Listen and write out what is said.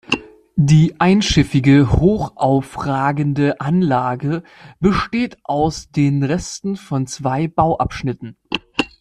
Die einschiffige, hochaufragende Anlage besteht aus den Resten von zwei Bauabschnitten.